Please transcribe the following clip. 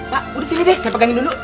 pak udah sini deh saya pegangin dulu